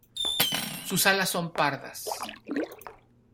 Sus alas son pardas.